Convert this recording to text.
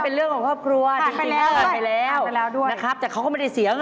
ปู๊บไปแล้วครับปู๊บไปแหล่ะ